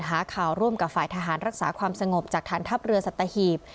หาข่าวร่วมกับฝ่ายทหารรักษาความสงบจากฐานทัพเรือสัตหีบ